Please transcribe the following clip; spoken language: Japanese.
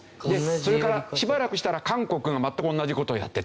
それからしばらくしたら韓国が全く同じ事をやってて。